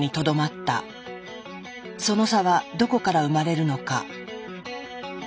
その差はどこから生まれるのか。